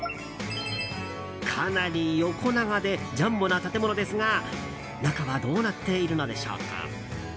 かなり横長でジャンボな建物ですが中はどうなっているのでしょうか。